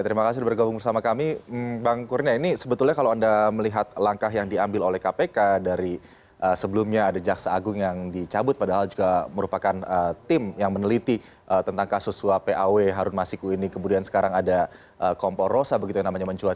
terima kasih sudah bergabung bersama kami bang kurnia ini sebetulnya kalau anda melihat langkah yang diambil oleh kpk dari sebelumnya ada jaksa agung yang dicabut padahal juga merupakan tim yang meneliti tentang kasus suap paw harun masiku ini kemudian sekarang ada kompor rosa begitu yang namanya mencuat